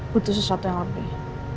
butuh sesuatu yang lebih